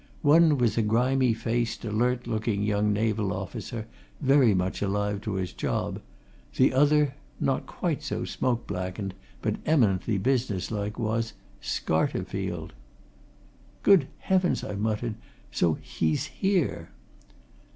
One was a grimy faced, alert looking young naval officer, very much alive to his job; the other, not quite so smoke blackened, but eminently business like, was Scarterfield. "Good Heavens!" I muttered. "So he's here!"